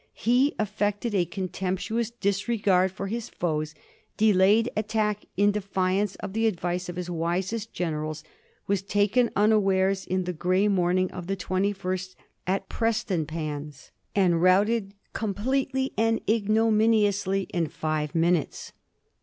He affected a contemptuous disregard for his foes, delayed attack in defiance of the advice of his wisest gen erals, was taken unawares in the gray morning of the 21st at Prestonpans, and routed completely and ignominiously in five minutes.